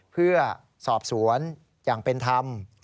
เพื่อสอบสวนอย่างเป็นธรรม